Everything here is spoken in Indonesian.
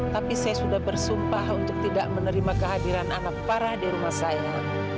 tapi saya sudah bersumpah untuk tidak menerima kehadiran anak parah di rumah saya